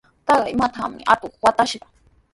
Taqay matraytrawmi atuq watrashqa.